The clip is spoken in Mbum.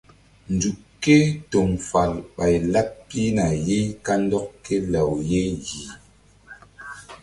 Nzuk ké toŋ fal ɓay laɓ pihna ye kandɔk ké law ye yih.